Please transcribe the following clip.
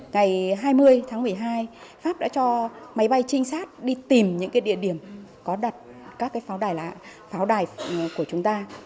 ngày hai mươi tháng một mươi hai pháp đã cho máy bay trinh sát đi tìm những địa điểm có đặt các pháo đài lạ pháo đài của chúng ta